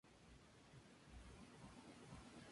Se encuentran en África Oriental: lago Malawi y río Zambeze.